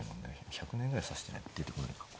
１００年ぐらい指してないと出てこない格好。